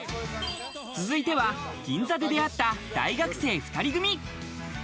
続いては銀座で出会った大学生２人組。